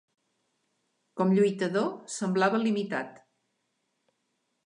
Com lluitador, semblava limitat.